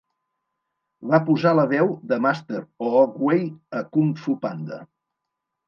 Va posar la veu de Master Oogway a "Kung Fu Panda".